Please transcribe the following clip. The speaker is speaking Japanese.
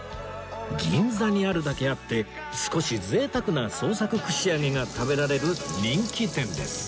銀座にあるだけあって少し贅沢な創作串揚げが食べられる人気店です